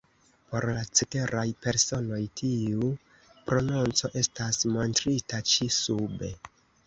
Por la ceteraj personoj, tiu prononco estas montrita ĉi sube.